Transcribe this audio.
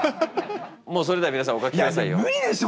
もうそれでは皆さんお書きくださいよ。